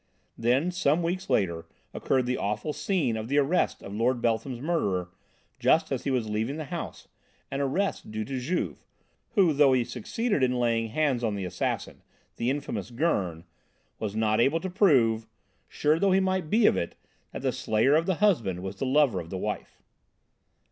Then, some weeks later, occurred the awful scene of the arrest of Lord Beltham's murderer, just as he was leaving the house, an arrest due to Juve, who, though he succeeded in laying hands on the assassin, the infamous Gurn, was not able to prove sure though he might be of it that the slayer of the husband was the lover of the wife.